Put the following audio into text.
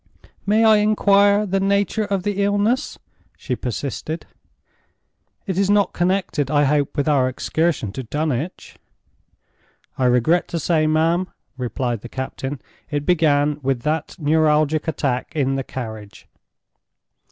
"May I inquire the nature of the illness?" she persisted. "It is not connected, I hope, with our excursion to Dunwich?" "I regret to say, ma'am," replied the captain, "it began with that neuralgic attack in the carriage."